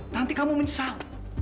nanti kamu menyesal